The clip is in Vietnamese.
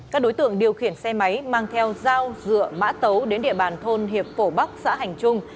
các đối tượng điều khiển xe máy mang theo dao dựa mã tấu đến địa bàn thôn hiệp phổ bắc xã hành trung